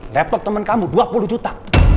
laptop teman kamu dua puluh juta